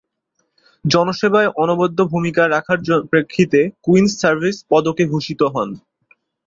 জনসেবায় অনবদ্য ভূমিকা রাখার প্রেক্ষিতে কুইন্স সার্ভিস পদকে ভূষিত হন।